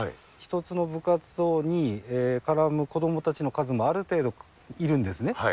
１つの部活動に絡む子どもたちの数もある程度いるんですね。